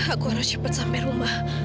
aku harus cepat sampai rumah